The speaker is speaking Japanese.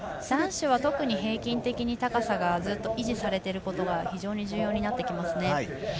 男子は特に平均的に高さがずっと維持されていることが非常に重要になってきます。